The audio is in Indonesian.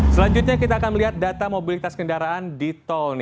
selanjutnya kita akan melihat data mobilitas kendaraan di tol